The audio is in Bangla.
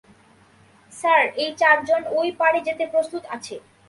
স্যার, এই চারজন ওই পাড়ে যেতে প্রস্তুত আছে।